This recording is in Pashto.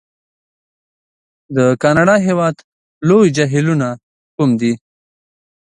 د کانادا د هېواد لوی جهیلونه کوم دي؟